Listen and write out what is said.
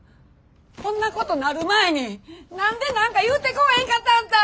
こんなことなる前に何で何か言うてこうへんかったんあんた！